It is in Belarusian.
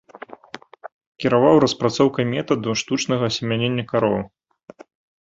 Кіраваў распрацоўкай метаду штучнага асемянення кароў.